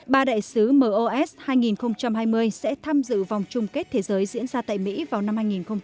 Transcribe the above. ba đại sứ mos hai nghìn hai mươi sẽ tham dự vòng chung kết thế giới diễn ra tại mỹ vào năm hai nghìn hai mươi một